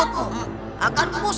akan kumusnahkan semuanya